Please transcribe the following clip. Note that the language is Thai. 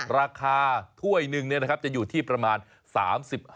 ราคาถ้วยหนึ่งจะอยู่ที่ประมาณ๓๕บาท